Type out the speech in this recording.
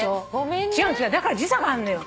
だから時差があんのよ。